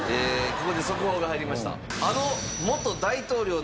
ここで速報が入りました。